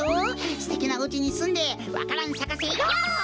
すてきなおうちにすんでわか蘭さかせよ！よ！